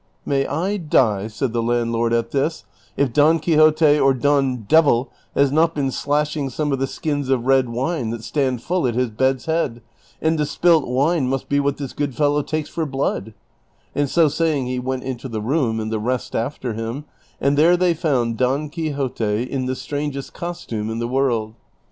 " May I die," said the landlord at this, " if Don Quixote or Don Devil has not been slashing some of the skins of red wine that stand full at his bed's head, and the spilt wine must be what this good fellow takes for blood ;" and so saying he went into the room and the rest after him, and there they found J)on Quixote iii the strangest costume in the world.